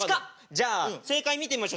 じゃあ正解見てみましょう。